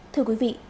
thưa quý vị